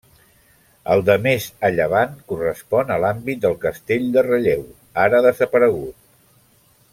El de més a llevant correspon a l'àmbit del Castell de Ralleu, ara desaparegut.